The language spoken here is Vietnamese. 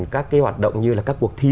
các cái hoạt động như là các cuộc thi